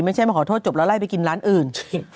ไม่ใช่มาขอโทษจบแล้วไล่ไปกินร้านอื่น